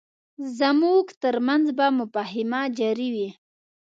زموږ ترمنځ به مفاهمه جاري وي.